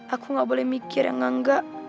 aku nggak boleh mikir yang nggak nggak